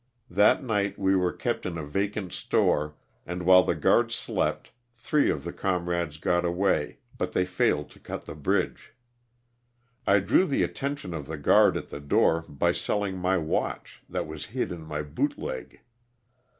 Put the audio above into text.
That night we were kept in a vacant LOSS OF THE SULTANA. 237 store, and while the guards slept three of the comrades got away but they failed to cut the bridge. I drew the attention of the guard at the door by selling my watch that was hid in my boot leg.